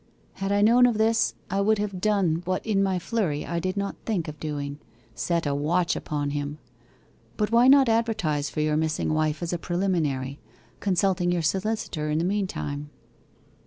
'Had I known of this, I would have done what in my flurry I did not think of doing set a watch upon him. But why not advertise for your missing wife as a preliminary, consulting your solicitor in the meantime?